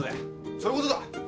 そういうことだ。